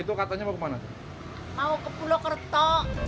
itu katanya mau ke mana mau ke pulau kerto